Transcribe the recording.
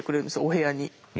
お部屋に。